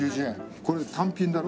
これ単品だろ？